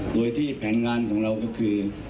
โดยที่แผนงานของเราก็คือ